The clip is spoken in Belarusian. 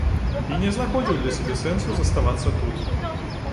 Я не знаходзіў для сябе сэнсу заставацца тут.